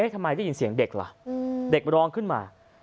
ทำไมได้ยินเสียงเด็กล่ะเด็กร้องขึ้นมา